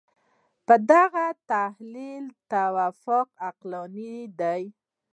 د هغه په تحلیل دا توافق عقلاني دی.